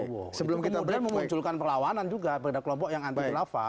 sebelum kemudian memunculkan perlawanan juga pada kelompok yang anti khilafah